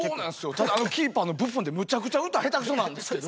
ただあのキーパーのブッフォンってむちゃくちゃ歌下手くそなんですけど。